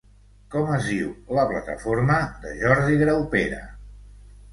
Com es diu la plataforma de Jordi Graupera?